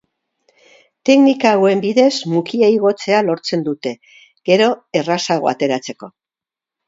Teknika hauen bidez mukia igotzea lortzen dute, gero errazago ateratzeko.